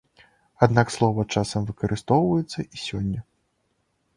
Аднак слова часам выкарыстоўваецца і сёння.